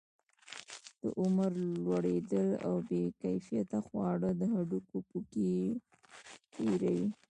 د عمر لوړېدل او بې کیفیته خواړه د هډوکو پوکي ډیروي.